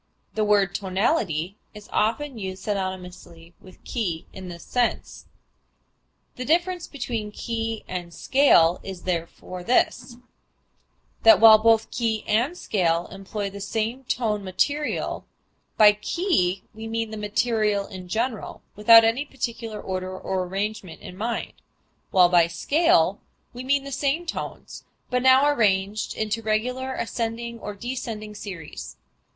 The word tonality is often used synonymously with key in this sense. The difference between key and scale is therefore this, that while both key and scale employ the same tone material, by key we mean the material in general, without any particular order or arrangement in mind, while by scale we mean the same tones, but now arranged into a regular ascending or descending series.